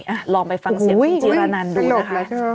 อ่ะลองไปฟังเสียงคุณจีรนันดูนะคะ